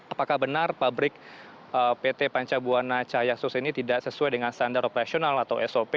apakah benar pabrik pt panca buana cahayasus ini tidak sesuai dengan standar operasional atau sop